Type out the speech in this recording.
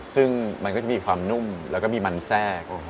ซึ่งมันก็จะมีความนุ่มแล้วก็มีมันแทรก